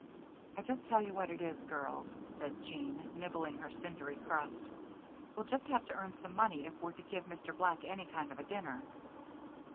"I just tell you what it is, girls," said Jean, nibbling her cindery crust, "we'll just have to earn some money if we're to give Mr. Black any kind of a dinner."